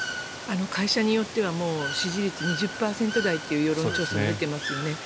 会社によっては支持率２０％台という世論調査も出ていますよね。